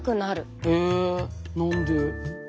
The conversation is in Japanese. へえ何で？